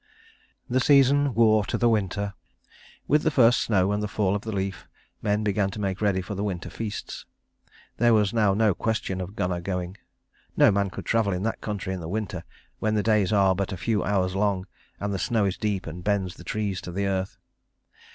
The season wore to the winter. With the first snow and the fall of the leaf men began to make ready for the winter feasts. There was now no question of Gunnar going. No man could travel that country in the winter when the days are but a few hours long, and the snow is deep and bends the trees to the earth.